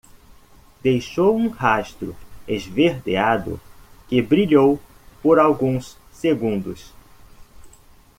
Deixou um rastro esverdeado que brilhou por alguns segundos.